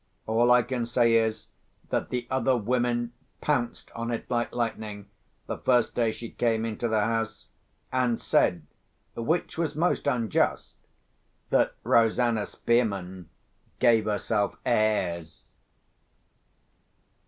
All I can say is, that the other women pounced on it like lightning the first day she came into the house, and said (which was most unjust) that Rosanna Spearman gave herself airs.